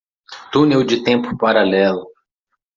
Túnel de tempo paralelo